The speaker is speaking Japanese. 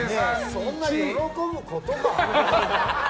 そんな喜ぶことか？